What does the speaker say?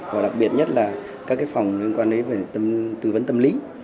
và đặc biệt nhất là các cái phòng liên quan đến tư vấn tâm lý